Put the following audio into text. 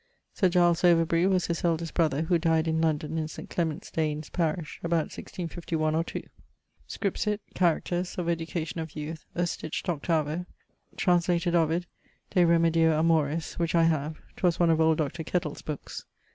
Sir Giles Overbury was his eldest brother, who dyed in London in St. Clements Danes parish about 1651 or 2. Scripsit: Characters, Of education of youth, a stitch't 8vo. Translated Ovid de remedio amoris which I have ('twas one of old Dr. Kettle's bookes).